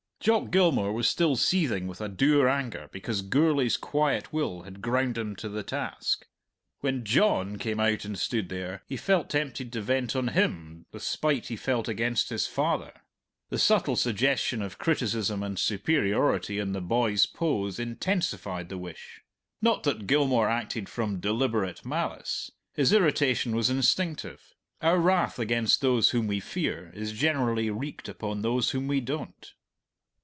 Jock Gilmour was still seething with a dour anger because Gourlay's quiet will had ground him to the task. When John came out and stood there, he felt tempted to vent on him the spite he felt against his father. The subtle suggestion of criticism and superiority in the boy's pose intensified the wish. Not that Gilmour acted from deliberate malice; his irritation was instinctive. Our wrath against those whom we fear is generally wreaked upon those whom we don't.